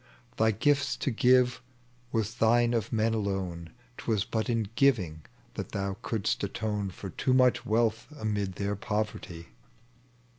Thy gifts to give was thine of men alone : 'Twas but in giving that thou couldst atone For too much wealth amid their poverty."